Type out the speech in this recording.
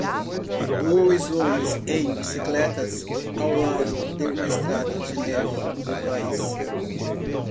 dois homens em bicicletas ao lado de uma estrada de neve no país